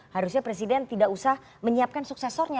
harusnya presiden tidak usah menyiapkan suksesornya